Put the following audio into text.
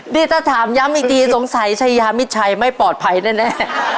นี่ถ้าถามย้ำอีกทีสงสัยชายามิดชัยไม่ปลอดภัยแน่